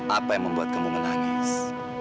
apa yang membuat kamu menangis